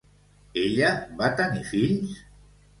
Ella va tenir fills?